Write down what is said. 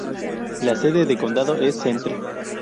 La sede de condado es Centre.